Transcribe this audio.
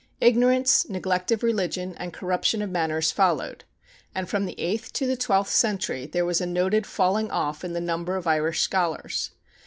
Ignorance, neglect of religion, and corruption of manners followed, and from the eighth to the twelfth century there was a noted falling off in the number of Irish scholars.